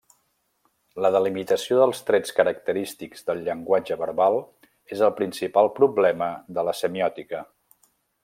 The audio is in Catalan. La delimitació dels trets característics del llenguatge verbal és el principal problema de la semiòtica.